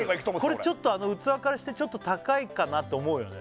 これちょっとあの器からしてちょっと高いかなと思うよね